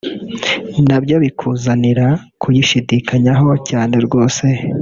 nabyo bikuzanira kuyishidikanyaho cyane rwose